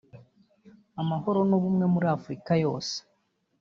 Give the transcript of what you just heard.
Amahoro n’ubumwe muri Afurika yose